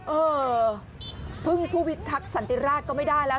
เออพึ่งผู้พิทักษ์สันติราชก็ไม่ได้แล้ว